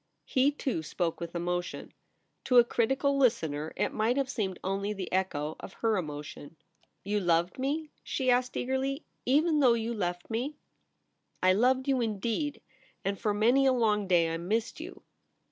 He, too, spoke with emotion. To a critical listener it might have seemed only the echo of her emotion. * You loved me ?' she asked eagerly ;' even though you left me.' * I loved you indeed ; and for many a long day I missed you.